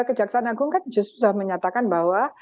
kejaksana agung kan justru menyatakan bahwa